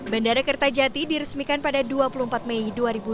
bandara kertajati diresmikan pada dua puluh empat mei dua ribu dua puluh